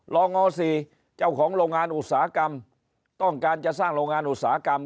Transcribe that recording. ง๔เจ้าของโรงงานอุตสาหกรรมต้องการจะสร้างโรงงานอุตสาหกรรม